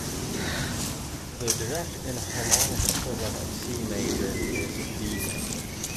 The direct enharmonic equivalent of C major is D major.